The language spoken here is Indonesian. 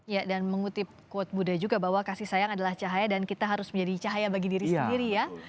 ya dan mengutip quote buddha juga bahwa kasih sayang adalah cahaya dan kita harus menjadi cahaya bagi diri sendiri ya